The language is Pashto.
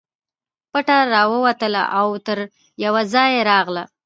پټه راووتله او تر یوه ځایه راغله.